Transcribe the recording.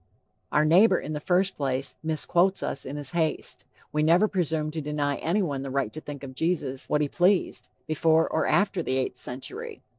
Our neighbor, in the first place, misquotes us in his haste. We never presumed to deny anyone the right to think of Jesus what he pleased, before or after the eighth century.